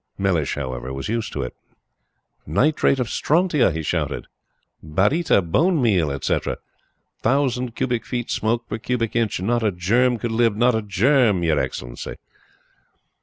Mellish, however, was used to it. "Nitrate of strontia," he shouted; "baryta, bone meal, etcetera! Thousand cubic feet smoke per cubic inch. Not a germ could live not a germ, Y' Excellency!"